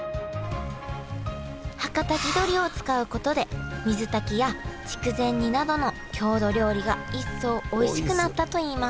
はかた地どりを使うことで水炊きや筑前煮などの郷土料理が一層おいしくなったといいます。